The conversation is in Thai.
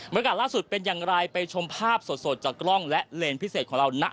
อากาศล่าสุดเป็นอย่างไรไปชมภาพสดจากกล้องและเลนพิเศษของเรานะ